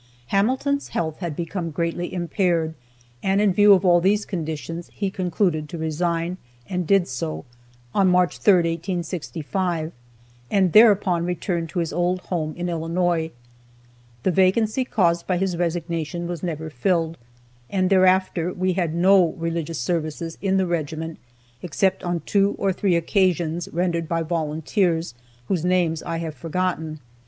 Hamilton's health had become greatly impaired, and in view of all those conditions, he concluded to resign, and did so, on March 3rd, 1865, and thereupon returned to his old home in Illinois. The vacancy caused by his resignation was never filled, and thereafter we had no religious services in the regiment except on two or three occasions, rendered by volunteers, whose names I have forgotten.